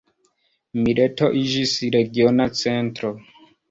Mileto iĝis regiona centro.